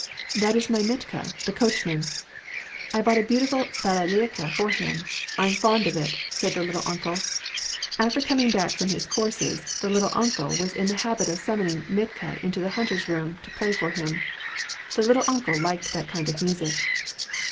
" That is my Mitka, the coachman. I bought a beautiful hair ala'ika for him, I'm fond of it," said the "little uncle." After coming back from his courses, the " little uncle " was in the habit of summoning Mitka into the " hunters' room " to play for him. The " little uncle " liked that kind of music.